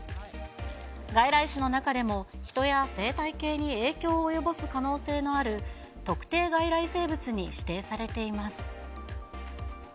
外来種の中でも人や生態系に影響を及ぼす可能性のある、特定外来生物に指定されています。